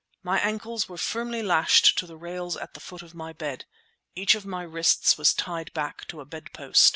My ankles were firmly lashed to the rails at the foot of my bed; each of my wrists was tied back to a bedpost.